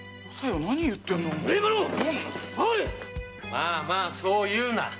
まあまあそう言うな。